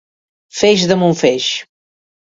Feix damunt feix.